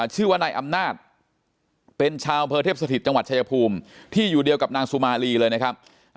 ชื่อว่านายอำนาจเป็นชาวอำเภอเทพสถิตจังหวัดชายภูมิที่อยู่เดียวกับนางสุมารีเลยนะครับ